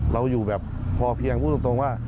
เราอยู่แบบพอเพียงพูดตรงว่า